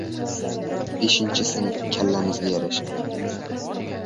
Beshinchi sinf kallamizga yarasha.